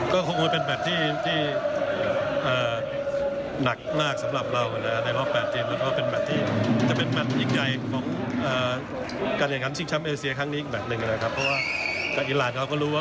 ก็คงว่าเป็นแบตที่หนักมากสำหรับเรานะครับ